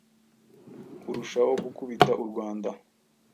urushaho gukubita u Rwanda